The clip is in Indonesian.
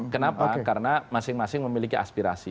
kenapa karena masing masing memiliki aspirasi